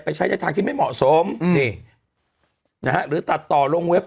ใช้ในทางที่ไม่เหมาะสมนี่นะฮะหรือตัดต่อลงเว็บ